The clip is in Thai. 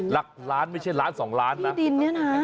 รักล้านไม่ใช่ร้าน๒ล้านนะ